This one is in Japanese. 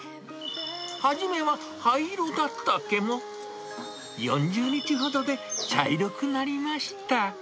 初めは灰色だった毛も、４０日ほどで茶色くなりました。